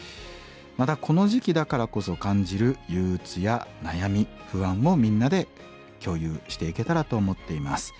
またこの時期だからこそ感じる憂うつや悩み不安もみんなで共有していけたらと思っています。